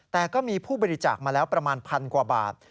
แต่ก็มีผู้บริจาคมาแล้วประมาณพันกว่าบาท